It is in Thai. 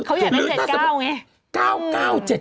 เขาอยากได้๗๙ไง